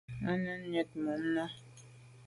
Á nèn njwit mum nà.